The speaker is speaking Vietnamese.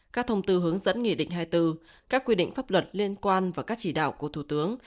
các thông tư hướng dẫn nghị định hai mươi bốn các quy định pháp luật liên quan và các chỉ đạo của thủ tướng